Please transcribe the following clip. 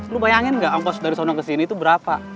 lo bayangin gak ongkos dari sana kesini itu berapa